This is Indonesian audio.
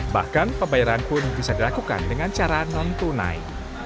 bahkan pembayaran pun bisa dilakukan dengan cara non tunai